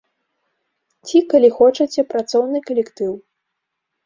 Ці, калі хочаце, працоўны калектыў.